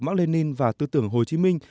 mark lenin và tư tưởng hồ chí minh